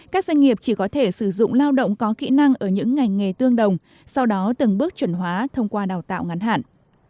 các doanh nghiệp chỉ có thể sử dụng lao động có kỹ năng ở những ngành nghề tương đồng sau đó từng bước chuẩn hóa thông qua đào tạo ngắn hạn